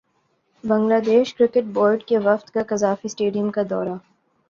Bangladesh cricket board کے وفد کا قذافی اسٹیڈیم کا دورہ